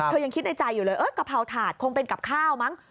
ยังคิดในใจอยู่เลยกะเพราถาดคงเป็นกับข้าวมั้ง